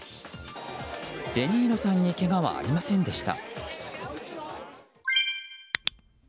デニーロさんにけがはありませんでした。